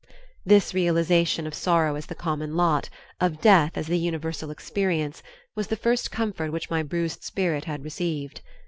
This realization of sorrow as the common lot, of death as the universal experience, was the first comfort which my bruised spirit had received.